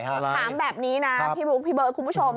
ถามแบบนี้นะพี่บุ๊คพี่เบิร์ดคุณผู้ชม